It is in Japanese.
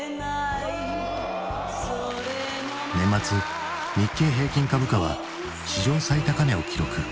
年末日経平均株価は史上最高値を記録。